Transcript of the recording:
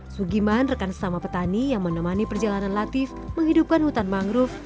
sugiman rekan sesama petani yang menemani perjalanan latif menghidupkan hutan mangrove